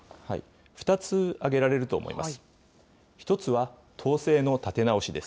２つ挙げられると思います。